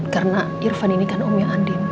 karena irfan ini kan omnya andin